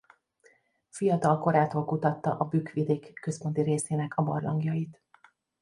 Fiatal korától kutatta a Bükk-vidék központi részének a barlangjait.